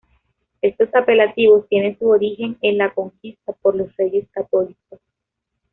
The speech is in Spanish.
Estos apelativos tienen su origen en la conquista por los Reyes Católicos.